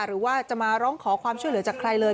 หรือว่าจะมาร้องขอความช่วยเหลือจากใครเลย